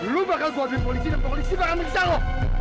lu bakal gue ambil polisi dan polisi bakal ngerjain lu